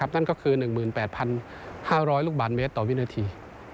นั่นก็คือ๑๘๕๐๐ลูกบาทเมตรต่อวินาที